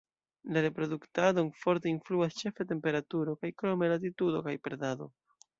La reproduktadon forte influas ĉefe temperaturo kaj krome latitudo kaj predado.